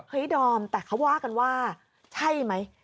ดอมแต่เขาว่ากันว่าใช่ไหม